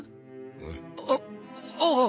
あああ